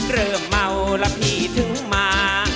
เริ่มเมาแล้วพี่ถึงมา